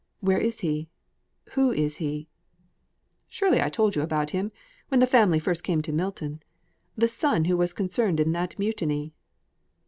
Where is he? Who is he?" "Surely I told you about him, when the family first came to Milton the son who was concerned in that mutiny."